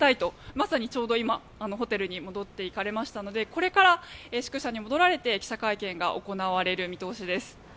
まさにちょうど今ホテルに戻っていかれましたのでこれから宿舎に戻られて記者会見が行われる見通しです。